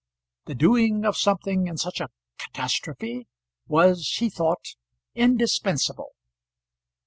The doing of something in such a catastrophe was, he thought, indispensable.